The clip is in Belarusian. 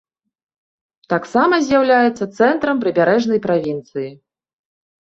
Таксама з'яўляецца цэнтрам прыбярэжнай правінцыі.